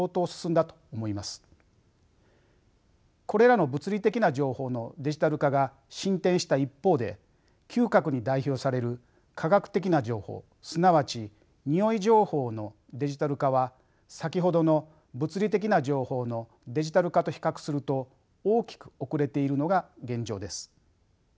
これらの物理的な情報のデジタル化が進展した一方で嗅覚に代表される化学的な情報すなわちにおい情報のデジタル化は先ほどの物理的な情報のデジタル化と比較すると大きく遅れているのが現状です。